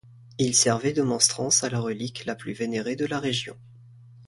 Il servait de monstrance à la relique, la plus vénérée de la région.